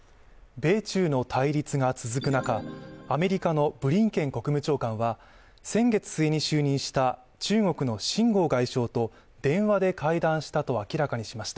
米中の対立が続く中アメリカのブリンケン国務長官は先月末に就任した中国の秦剛外相と電話で会談したと明らかにしました。